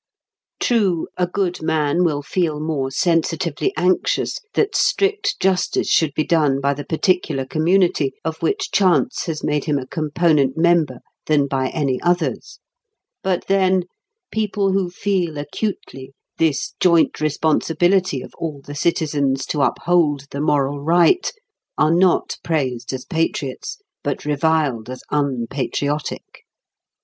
True, a good man will feel more sensitively anxious that strict justice should be done by the particular community of which chance has made him a component member than by any others; but then, people who feel acutely this joint responsibility of all the citizens to uphold the moral right are not praised as patriots but reviled as unpatriotic.